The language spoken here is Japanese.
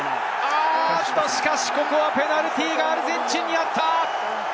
しかし、ここはペナルティーがアルゼンチンにあった。